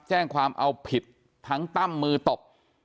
แจ้งความเอาผิดทั้งตั้มมือตบ